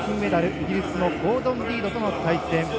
イギリスのゴードン・リードとの対戦。